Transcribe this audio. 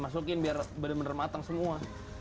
masukin biar benar benar matang semua